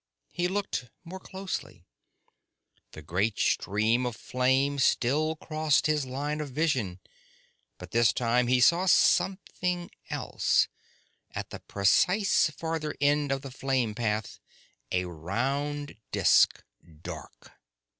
He looked more closely. The great stream of flame still crossed his line of vision. But this time he saw something else: at the precise farther end of the flame path a round disk dark!